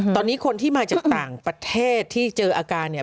ตอนนี้คนที่มาจากต่างประเทศที่เจออาการเนี่ย